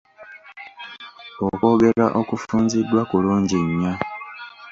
Okwogera okufunziddwa kulungi nnyo.